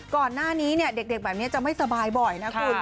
ก่อนหน้านี้เด็กแบบนี้จะไม่สบายบ่อยนะคุณ